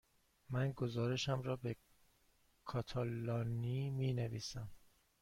من گزارشم را به کاتالانی می نویسم.